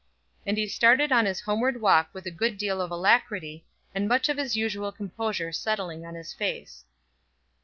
And he started on his homeward walk with a good deal of alacrity, and much of his usual composure settling on his face.